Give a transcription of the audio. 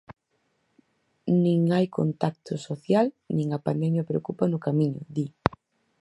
Nin hai contacto social nin a pandemia preocupa no Camiño, di.